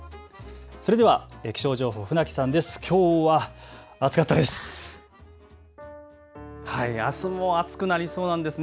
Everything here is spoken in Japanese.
それでは気象情報、船木さんです。